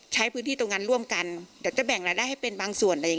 ใช้พื้นที่ตรงนั้นร่วมกันเดี๋ยวจะแบ่งรายได้ให้เป็นบางส่วนอะไรอย่างนี้